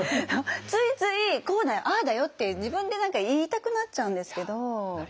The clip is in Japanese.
ついついこうだよああだよって自分で何か言いたくなっちゃうんですけど。